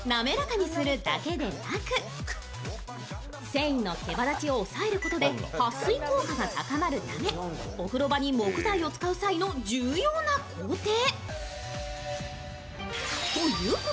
繊維の毛羽立ちを抑えることではっ水効果が高まるため、お風呂場に木材を使う際の重要な工程。